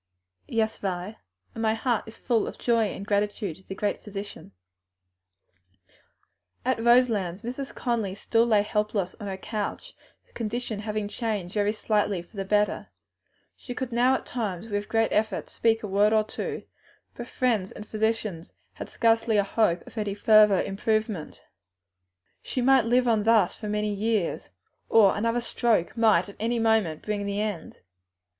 "Yes, Vi, and my heart is full of joy and gratitude to the Great Physician." At Roselands Mrs. Conly still lay helpless on her couch, her condition having changed very slightly for the better; she could now at times, with great effort, speak a word or two, but friends and physicians had scarcely a hope of any further improvement; she might live on thus for years, or another stroke might at any moment bring the end.